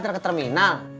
jun say adini